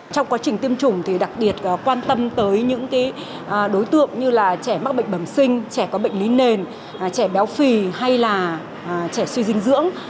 trong quá trình tiêm chủng thì đặc biệt quan tâm tới những đối tượng như là trẻ mắc bệnh bẩm sinh trẻ có bệnh lý nền trẻ béo phì hay là trẻ suy dinh dưỡng